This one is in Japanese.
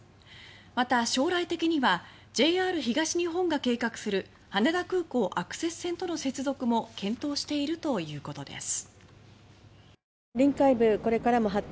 また、将来的にはＪＲ東日本が計画する羽田空港アクセス線との接続も検討しているということです。